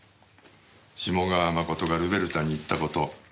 志茂川真がルベルタに行った事。